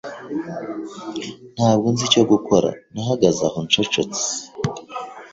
Ntabwo nzi icyo gukora, nahagaze aho ncecetse.